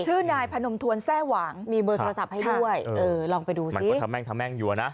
ชื่อนายพนมทวนแทร่หวังมีเบอร์โทรศัพท์ให้ด้วยเออลองไปดูสิมันก็ทะแม่งทำแม่งอยู่อ่ะนะ